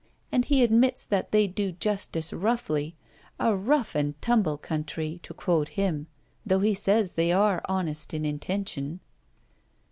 And he admits that they do justice roughly a rough and tumble country! to quote him though he says they are honest in intention.'